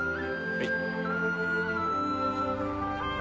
はい。